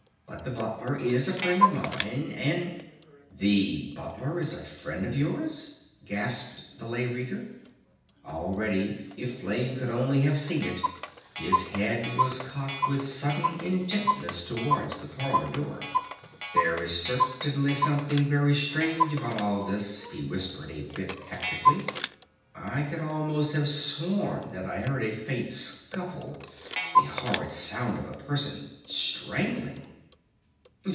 "But the Butler is a friend of mine and " "The Butler is a friend of yours?" gasped the Lay Reader. Already, if Flame could only have seen it, his head was cocked with sudden intentness towards the parlor door. "There is certainly something very strange about all this," he whispered a bit hectically. "I could almost have sworn that I heard a faint scuffle, the horrid sound of a person strangling."